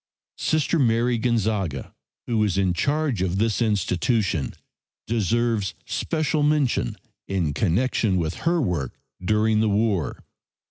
Sister Mary Gonzaga, who was in charge of this institution, deserves special mention in connection with her work during the war.